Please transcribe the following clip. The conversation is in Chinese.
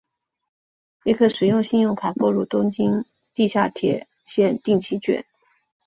也可使用信用卡购入东京地下铁线定期券。